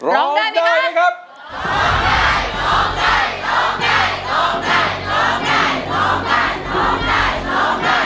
ร้องได้ไหมคะ